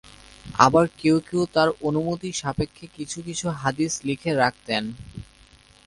আবার কেউ কেউ তার অনুমতি সাপেক্ষে কিছু কিছু হাদীস লিখে রাখতেন।